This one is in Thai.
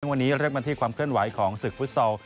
วันนี้เริ่มกันที่ความเคลื่อนไหวของศึกฟุตซอล